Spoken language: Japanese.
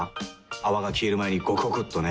泡が消える前にゴクゴクっとね。